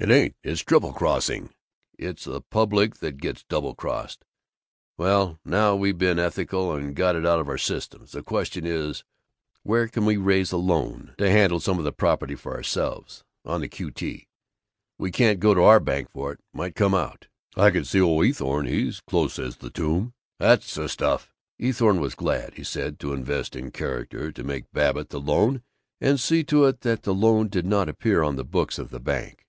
"It ain't. It's triple crossing. It's the public that gets double crossed. Well, now we've been ethical and got it out of our systems, the question is where we can raise a loan to handle some of the property for ourselves, on the Q. T. We can't go to our bank for it. Might come out." "I could see old Eathorne. He's close as the tomb." "That's the stuff." Eathorne was glad, he said, to "invest in character," to make Babbitt the loan and see to it that the loan did not appear on the books of the bank.